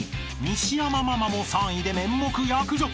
［西山ママも３位で面目躍如］